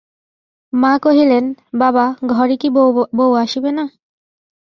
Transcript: মা কহিলেন, বাবা, ঘরে কি বউ আসিবে না?